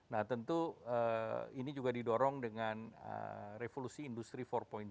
nah tentu ini juga didorong dengan revolusi industri empat